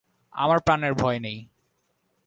আমার প্রাণের ভয় নেই।